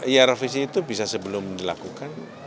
ya revisi itu bisa sebelum dilakukan